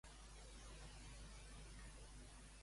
Els Hondurenys tenen un vocabulari molt diferent del castellà